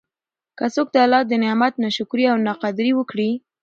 که څوک د الله د نعمت نا شکري او نا قدري وکړي